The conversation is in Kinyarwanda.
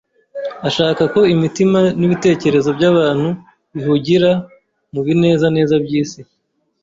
Ashaka ko imitima n’ibitekerezo by’abantu bihugira mu binezeza by’isi